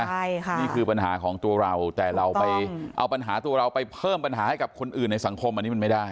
ใช่ค่ะนี่คือปัญหาของตัวเราแต่เราไปเอาปัญหาตัวเราไปเพิ่มปัญหาให้กับคนอื่นในสังคมอันนี้มันไม่ได้